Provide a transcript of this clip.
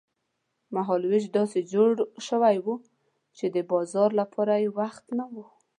مهال وېش داسې جوړ شوی و چې د بازار لپاره یې وخت نه و.